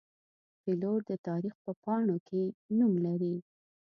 پیلوټ د تاریخ په پاڼو کې نوم لري.